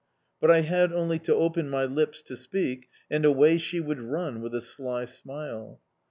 But I had only to open my lips to speak, and away she would run, with a sly smile.